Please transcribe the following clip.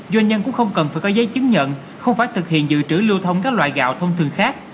doanh nhân cũng không cần phải có giấy chứng nhận không phải thực hiện dự trữ lưu thông các loại gạo thông thường khác